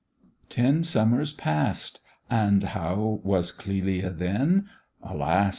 "Ten summers pass'd?, and how was Clelia then?" Alas!